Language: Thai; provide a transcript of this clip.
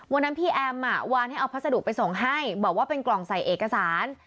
วันนั้นพี่แอมวานให้เอาพัสดุไปส่งให้บอกว่าเป็นกล่องใส่เอกสาร